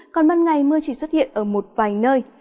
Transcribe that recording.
còn ban ngày mưa chỉ xuất hiện ở một vài nơi